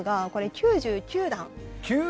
９９段？